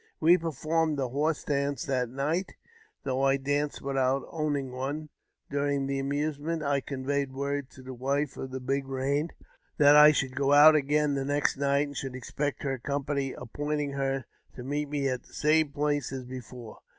We performed the horse dance that night, though I danced without owning one. During the amusement I conveyed word to the wife of Big Eain that I should go out again the next night, and should expect her company, appointing her to meet xne at the same place as before.